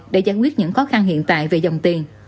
để giải quyết những khó khăn hiện tại về dòng tiền